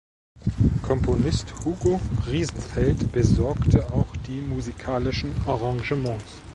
Komponist Hugo Riesenfeld besorgte auch die musikalischen Arrangements.